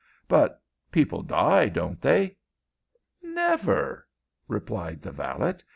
"But people die, don't they?" "Never," replied the valet.